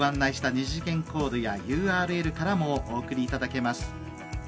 ２次元コードやＵＲＬからもお送りいただけます。